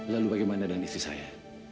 lalu bagaimana dengan istri saya